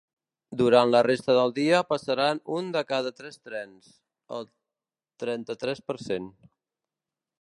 Durant la resta del dia passaran un de cada tres trens, el trenta-tres per cent.